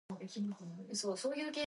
The entrances have round arch gates.